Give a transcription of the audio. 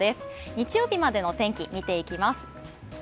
日曜日までの天気、見ていきます。